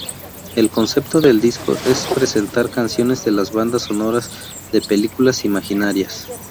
El concepto del disco es presentar canciones de las bandas sonoras de películas imaginarias.